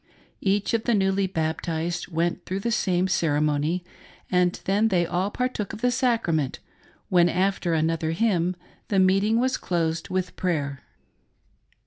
Each of the newly baptized went through the same cere mony, and then they all partook of the sacrament, when, after another hymn, the meeting was closed with prayer.